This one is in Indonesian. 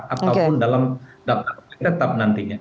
ataupun dalam daftar pemilih tetap nantinya